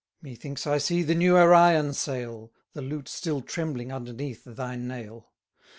Methinks I see the new Arion sail, The lute still trembling underneath thy nail.